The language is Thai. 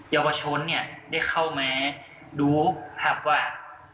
เยาวชนได้เข้ามาดูภาพวาด